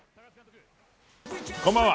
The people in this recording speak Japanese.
こんばんは。